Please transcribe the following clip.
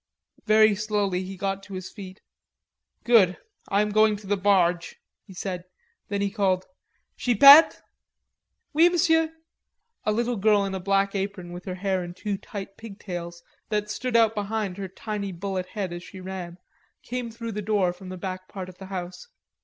Very slowly he got to his feet. "Good. I am going to the barge," he said. Then he called, "Chipette!" "Oui, m'sieu." A little girl in a black apron with her hair in two tight pigtails that stood out behind her tiny bullet head as she ran, came through the door from the back part of the house.